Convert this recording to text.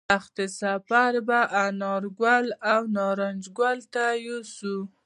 تخت سفر به انارګل او نارنج ګل ته یوسو